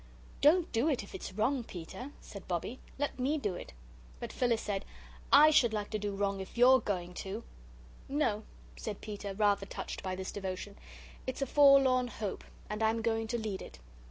"Don't you do it if it's wrong, Peter," said Bobbie; "let me do it." But Phyllis said: "I should like to do wrong if YOU'RE going to!" "No," said Peter, rather touched by this devotion; "it's a forlorn hope, and I'm going to lead it.